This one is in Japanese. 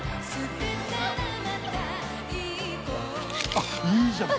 あっいいじゃん！